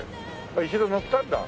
一度乗ったんだ。